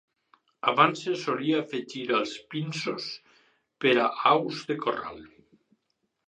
Abans se solia afegir als pinsos per a aus de corral.